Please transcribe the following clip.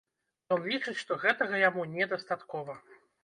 Ён лічыць, што гэтага яму недастаткова.